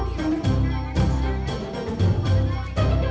เพื่อนรับทราบ